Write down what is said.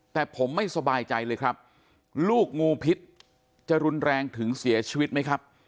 แต่ผมไม่สบายใจเลยครับลูกงูพิษจะรุนแรงถึงเสียชีวิตไหมครับ